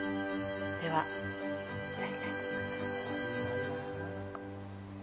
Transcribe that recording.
では、いただきたいと思います。